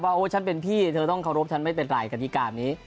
โอ้ฉันเป็นพี่เธอต้องเคารพฉันไม่เป็นไรกฎิการนี้